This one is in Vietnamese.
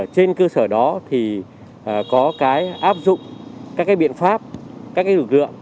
trước đó thì có cái áp dụng các cái biện pháp các cái lực lượng